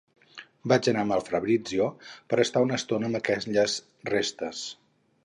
Vaig anar amb el Fabrizio per estar una estona amb aquelles restes.